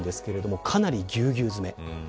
かなりぎゅうぎゅう詰めです。